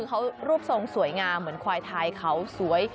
เขารูปทรงสวยงามเหมือนควายไทยเขาสวย